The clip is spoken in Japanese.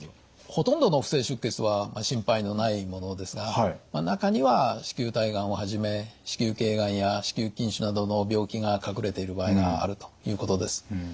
ほとんどの不正出血は心配のないものですが中には子宮体がんをはじめ子宮頸がんや子宮筋腫などの病気が隠れている場合があるということです。